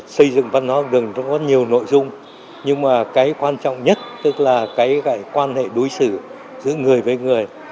xây dựng văn hóa học đường nó có nhiều nội dung nhưng mà cái quan trọng nhất tức là cái quan hệ đối xử giữa người với người